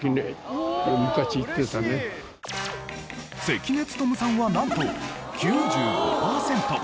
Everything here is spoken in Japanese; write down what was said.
関根勤さんはなんと９５パーセント。